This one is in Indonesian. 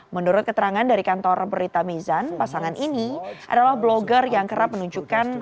menurut keterangan dari kantor berita mizan pasangan ini adalah blogger yang kerap menunjukkan